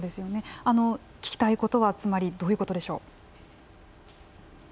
聞きたいことはつまり、どういうことでしょう？